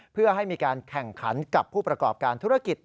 เพื่อให้มีการแข่งขันกับผู้ประกอบการธุรกิจ